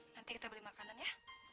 nanti kita beli makanan ya